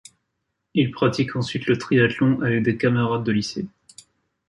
Il pratique ensuite le triathlon avec des camarades de lycée.